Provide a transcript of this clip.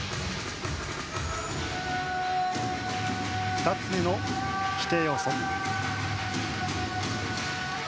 ２つ目の規定要素。